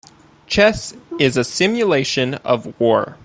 Chess is a simulation of war.